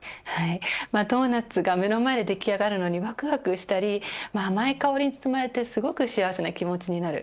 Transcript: ドーナツが目の前で出来上がるのに、わくわくしたり甘い香りに包まれてすごく幸せな気持ちになる。